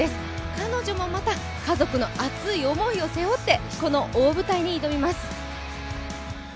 彼女もまた家族の熱い思いを背負って、この大舞台に挑みます。